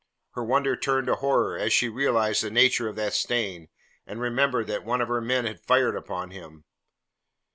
Her wonder turned to horror as she realized the nature of that stain and remembered that one of her men had fired upon him.